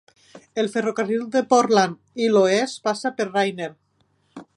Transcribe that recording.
El ferrocarril de Portland i l'Oest passa per Rainier.